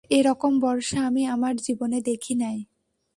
এ-রকম বর্ষা আমি আমার জীবনে দেখি নাই।